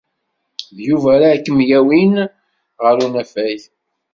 D Yuba ara kem-yawin ɣer unafag.